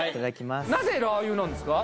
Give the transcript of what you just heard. なぜラー油なんですか？